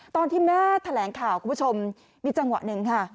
ตอนที่แม่แถลงข่าวคุณผู้ชมมีจังหวะหนึ่งค่ะ